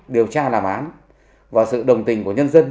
điều tra làm án và sự đồng tình của nhân dân